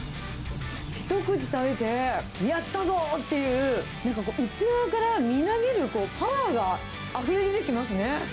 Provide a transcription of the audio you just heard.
一口食べて、やったぞっていう、なんかこう、内側からみなぎるパワーがあふれ出てきますね。